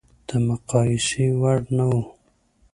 د مقایسې وړ نه و.